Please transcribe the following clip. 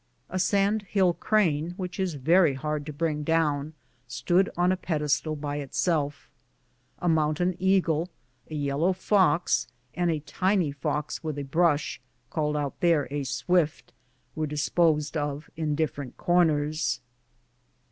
A sand hill crane, which is very hard to bring down, stood on a pedestal by itself. A mountain eagle, a yel low fox, and a tiny fox with a brush — called out there a swift — were disposed of in different corners.